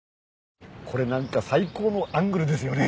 これなんか最高のアングルですよね。